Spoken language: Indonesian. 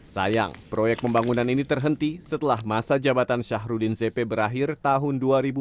sayang proyek pembangunan ini terhenti setelah masa jabatan syahrudin zp berakhir tahun dua ribu dua puluh